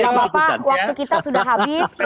bapak bapak waktu kita sudah habis